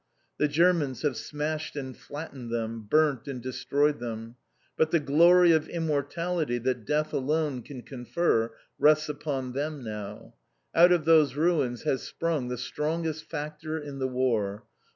The Germans have smashed and flattened them, burnt and destroyed them. But the glory of immortality that Death alone can confer rests upon them now. Out of those ruins has sprung the strongest factor in the War.